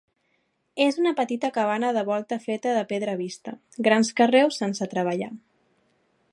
És una petita cabana de volta feta de pedra vista, grans carreus sense treballar.